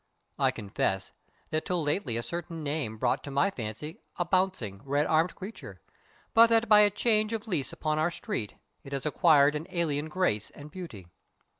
I confess that till lately a certain name brought to my fancy a bouncing, red armed creature; but that by a change of lease upon our street it has acquired an alien grace and beauty.